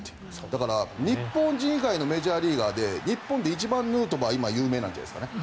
だから、日本人以外のメジャーリーガーで日本で一番ヌートバー有名なんじゃないですかね。